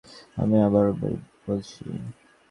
আমি আবারো বলছি।